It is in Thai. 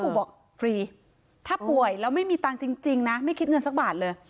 บอกฟรีถ้าป่วยแล้วไม่มีตังค์จริงนะไม่คิดเงินสักบาทเลย